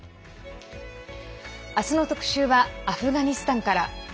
明日の特集はアフガニスタンから。